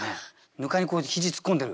糠にこうやって肘突っ込んでる。